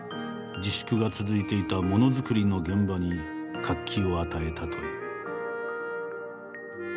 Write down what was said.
自粛が続いていたものづくりの現場に活気を与えたという。